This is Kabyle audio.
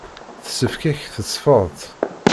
Tessefk-ak tesfeḍt.